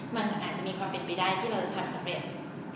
มันอาจจะมีความเป็นไปได้ว่ามันก็จะทำไปได้